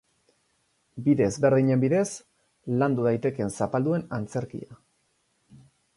Bide ezberdinen bidez landu daiteke zapalduen antzerkia.